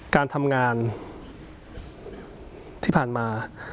การทำงานที่ผ่านมา